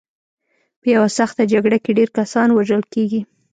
په یوه سخته جګړه کې ډېر کسان وژل کېږي.